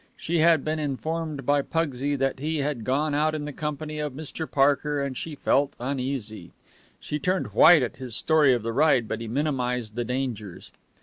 She had been informed by Pugsy that he had gone out in the company of Mr. Parker, and she felt uneasy. She turned white at his story of the ride, but he minimized the dangers.